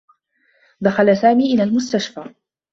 دخل سامي إلى المستشفى.